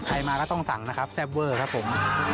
มาก็ต้องสั่งนะครับแซ่บเวอร์ครับผม